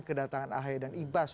kedatangan ahaya dan ibas